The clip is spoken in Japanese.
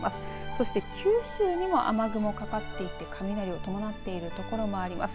そして九州にも雨雲かかっていて雷を伴っているところもあります。